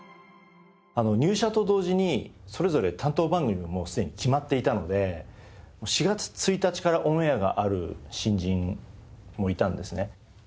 入社と同時にそれぞれ担当番組もすでに決まっていたので４月１日からオンエアがある新人もいたんですね。